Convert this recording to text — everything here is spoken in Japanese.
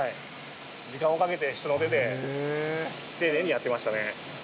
時間をかけて人の手で丁寧にやってましたね。